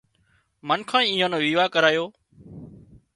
منکانئي ايئان نو ويوا ڪرايو